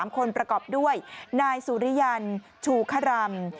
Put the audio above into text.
๓คนประกอบด้วยนายสุริยันชูครำ